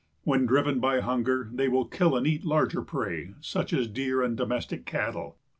When driven by hunger they will kill and eat larger prey, such as deer and domestic cattle.